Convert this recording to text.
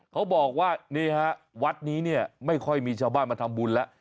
เขาบอกว่านี่ฮะวัดนี้เนี่ยไม่ค่อยมีชาวบ้านมาทำบุญแล้ว